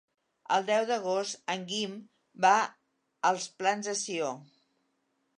El deu d'agost en Guim va als Plans de Sió.